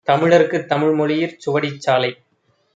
தமிழர்க்குத் தமிழ்மொழியிற் சுவடிச் சாலை